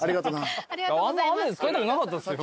あんま雨で使いたくなかったっすよ。